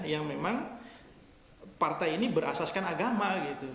yang memang partai ini berasaskan agama gitu